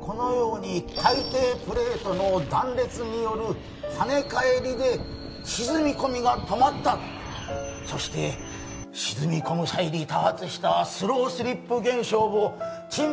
このように海底プレートの断裂による跳ね返りで沈み込みが止まったそして沈み込む際に多発したスロースリップ現象も沈没以降全く観測されていません